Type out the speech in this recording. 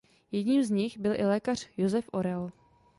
Jedním z nich byl i lékař Josef Orel.